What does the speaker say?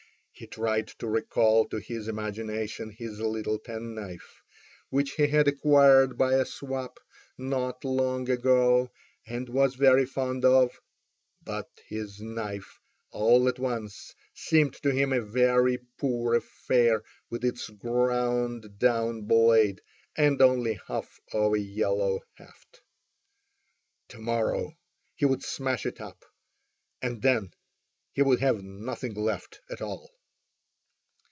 He tried to recall to his imagination his little penknife, which he had acquired by a swap not long ago, and was very fond of; but his knife all at once seemed to him a very poor affair with its ground down blade and only half of a yellow haft. To morrow he would smash it up, and then he would have nothing left at all!